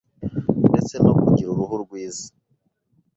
ndetse no kugira uruhu rwiza